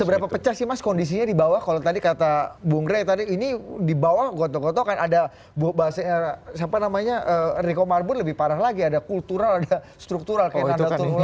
seberapa pecah sih mas kondisinya di bawah kalau tadi kata bung rey tadi ini di bawah goto goto kan ada bahasa siapa namanya rekomarbon lebih parah lagi ada kultural ada struktural kayaknya anda tunggu lama gitu kan